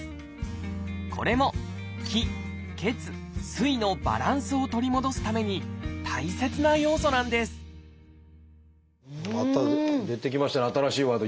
これも「気・血・水」のバランスを取り戻すために大切な要素なんですまた出てきましたね新しいワード。